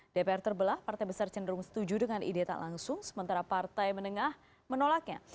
dpr terbelah partai besar cenderung setuju dengan ide tak langsung sementara partai menengah menolaknya